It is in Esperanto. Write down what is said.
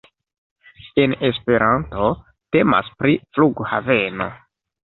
En Esperanto temas pri Flughaveno.